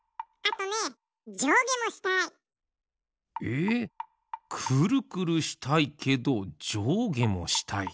えくるくるしたいけどじょうげもしたい。